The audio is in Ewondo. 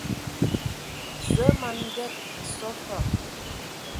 Zǝə ma n Nged nso fa.